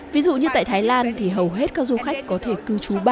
ví dụ như tại thái lan thì hầu hết các du khách có thể cư trú